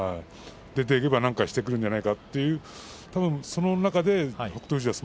出ていくと何かしてくるんじゃないかというその中で北勝